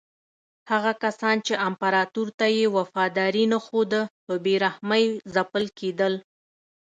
هغه کسان چې امپراتور ته یې وفاداري نه ښوده په بې رحمۍ ځپل کېدل.